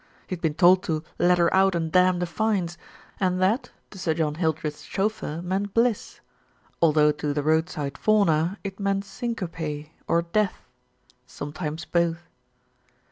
He had been told to "let her out and damn the fines," and that, to Sir John Hildreth's chauf feur meant bliss, although to the roadside fauna it meant syncope, or death sometimes both.